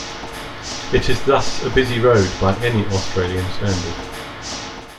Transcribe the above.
It is thus a busy road by any Australian standard.